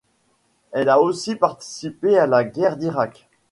Elle a aussi participé à la Guerre d'Irak.